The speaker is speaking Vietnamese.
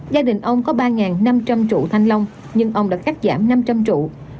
gia đình ông có ba năm trăm linh trụ thanh long nhưng ông đã cắt giảm năm trăm linh trụ